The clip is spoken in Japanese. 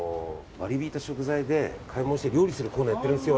割り引いた食材で買い物して料理するコーナーやってるんですよ。